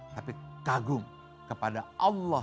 tapi kagum kepada allah